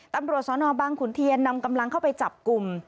ตำรวจสนบางขุนเทียนนำกำลังเข้าไปจับกลุ่ม